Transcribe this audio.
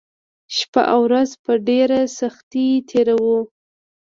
شپه او ورځ په ډېره سختۍ تېروو